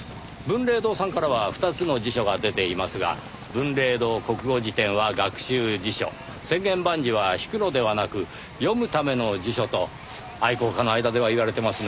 文礼堂さんからは２つの辞書が出ていますが『文礼堂国語辞典』は学習辞書『千言万辞』は引くのではなく読むための辞書と愛好家の間では言われてますねぇ。